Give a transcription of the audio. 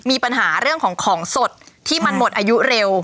มีปัญหาเรื่องของของสดที่มันหมดอายุเร็ว